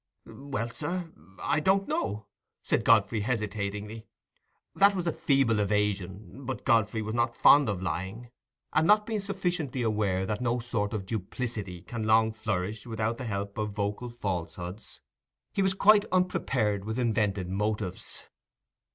"Well, sir, I don't know," said Godfrey, hesitatingly. That was a feeble evasion, but Godfrey was not fond of lying, and, not being sufficiently aware that no sort of duplicity can long flourish without the help of vocal falsehoods, he was quite unprepared with invented motives.